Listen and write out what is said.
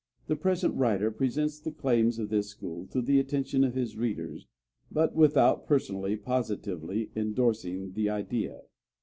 The present writer presents the claims of this school to the attention of his readers, but without personally positively endorsing the idea.